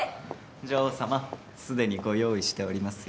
女王様すでにご用意しておりますよ。